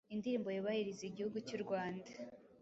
Indirimbo yubahiriza igihugu cy’urwanda